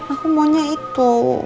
aku maunya itu